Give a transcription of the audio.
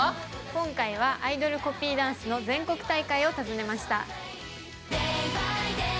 今回はアイドルコピーダンスの全国大会を訪ねました。